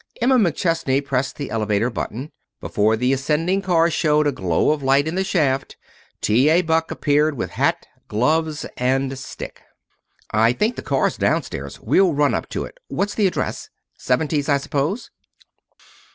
Emma McChesney pressed the elevator button. Before the ascending car showed a glow of light in the shaft T. A. Buck appeared with hat, gloves, stick. "I think the car's downstairs. We'll run up in it. What's the address? Seventies, I suppose?"